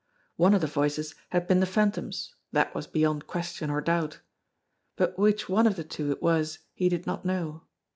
One of the voices had been the Phantom's, that was beyond question or doubt; but which one of the two it was he did not know.